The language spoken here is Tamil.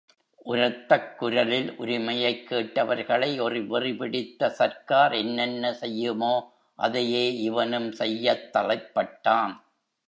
உரத்தக் குரலில் உரிமையைக் கேட்டவர்களை ஒரு வெறி பிடித்த சர்க்கார் என்னென்ன செய்யுமோ அதையே இவனும் செய்யத் தலைப்பட்டான்.